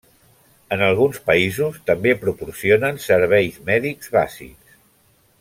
En alguns països també proporcionen serveis mèdics bàsics.